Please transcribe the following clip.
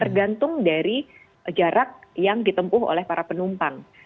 tergantung dari jarak yang ditempuh oleh para penumpang